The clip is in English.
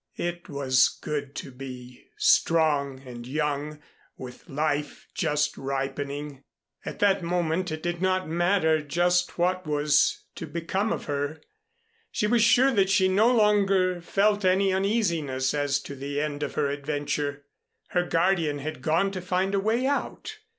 It was good to be strong and young, with life just ripening. At that moment it did not matter just what was to become of her. She was sure that she no longer felt any uneasiness as to the end of her adventure. Her guardian had gone to find a way out.